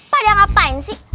pada ngapain sih